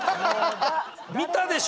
見たでしょ